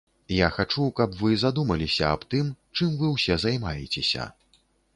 Я хачу, каб вы задумаліся аб тым, чым вы ўсе займаецеся.